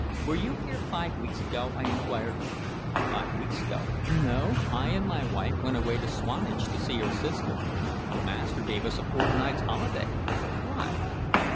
"Were you here five weeks ago?" I inquired. "Five weeks ago? No. I and my wife went away down to Swanage to see her sister. The master gave us a fortnight's holiday. Why?"